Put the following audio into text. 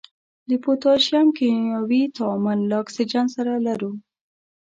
د پوتاشیم کیمیاوي تعامل له اکسیجن سره لرو.